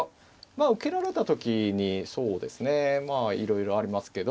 受けられた時にそうですねいろいろありますけど。